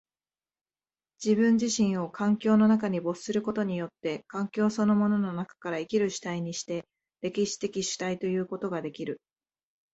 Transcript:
自己自身を環境の中に没することによって、環境そのものの中から生きる主体にして、歴史的主体ということができる。